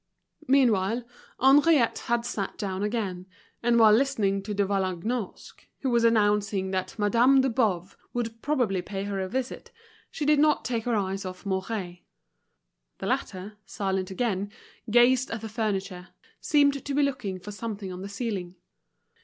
Meanwhile, Henriette had sat down again; and while listening to De Vallagnosc, who was announcing that Madame de Boves would probably pay her a visit, she did not take her eyes off Mouret. The latter, silent again, gazed at the furniture, seemed to be looking for something on the ceiling.